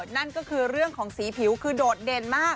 นั่นก็คือเรื่องของสีผิวคือโดดเด่นมาก